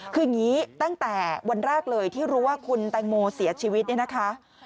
คืออย่างนี้ตั้งแต่วันแรกเลยที่รู้ว่าคุณแตงโมเสียชีวิตเนี่ยนะคะ